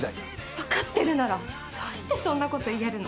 分かってるならどうしてそんなこと言えるの？